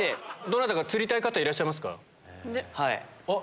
どなたかつりたい方いらっしゃいますか？